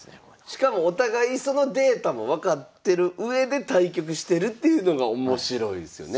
しかもお互いそのデータも分かってるうえで対局してるっていうのが面白いですよね。